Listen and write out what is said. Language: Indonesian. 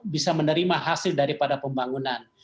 bisa menerima hasil daripada pembangunan